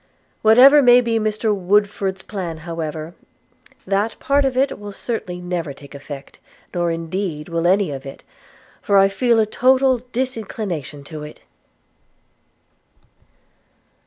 Whatever may be Mr Woodford's plan, however, that part of it will certainly never take effect; nor indeed will any of it, for I feel a total disinclination to it.'